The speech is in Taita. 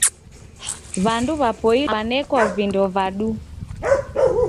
W'andu w'apoilwa angu w'anekwa vindo va duu.